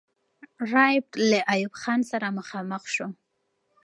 رایپټ له ایوب خان سره مخامخ سو.